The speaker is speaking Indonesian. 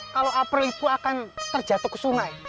kalau apel itu akan terjatuh ke sungai